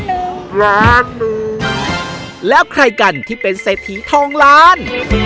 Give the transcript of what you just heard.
ปวดหนึ่งแล้วใครกันที่เป็นเศษทีทองร้าน